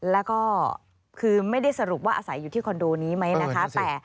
แล้วก็คือไม่ได้สรุปว่าอาศัยอยู่ที่คอนโดนี้ไหมนะคะ